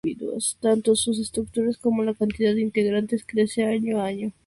Tanto sus estructuras como la cantidad de integrantes crece año a año.